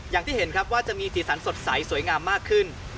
อย่างที่เห็นครับว่าจะมีสีสันสดใสสวยงามมากขึ้น